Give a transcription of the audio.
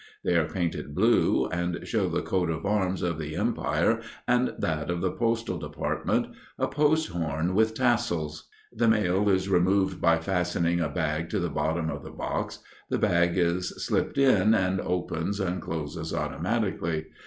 They are painted blue, and show the coat of arms of the empire and that of the postal department, a post horn with tassels. The mail is removed by fastening a bag to the bottom of the box; the bag is slipped in and opens and closes automatically.